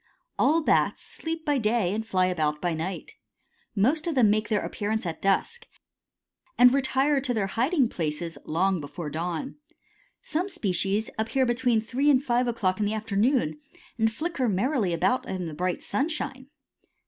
All Bats sleep by day and fly about by night. Most of them make their appearance at dusk, and retire to their hiding places long before dawn. Some species appear between three and five o'clock in the afternoon and flicker merrily about in the bright sunshine.